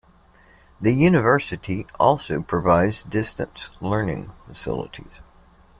The university also provides distance learning facilities.